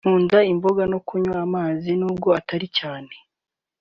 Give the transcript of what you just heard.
nkunda imboga no kunywa amazi nubwo atari cyane